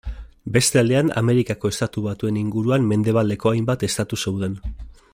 Beste aldean Amerikako Estatu Batuen inguruan mendebaldeko hainbat estatu zeuden.